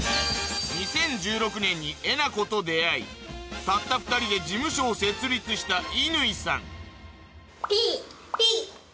２０１６年にえなこと出会いたった２人で事務所を設立した乾さん